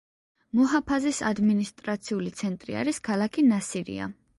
მუჰაფაზის ადმინისტრაციული ცენტრი არის ქალაქი ნასირია.